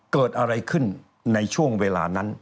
เกิดอะไรขึ้นในช่วงเวลานั้น